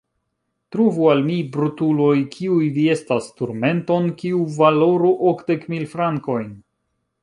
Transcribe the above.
Trovu al mi, brutuloj, kiuj vi estas, turmenton, kiu valoru okdek mil frankojn!